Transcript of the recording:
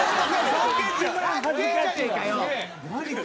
３点じゃねえかよ！